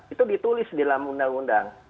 itu ditulis dalam undang undang